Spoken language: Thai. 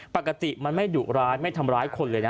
ปกติมันไม่ดุร้ายไม่ทำร้ายคนเลยนะ